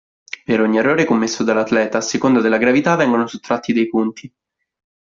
Per ogni errore commesso dall'atleta, a seconda della gravità vengono sottratti dei punti.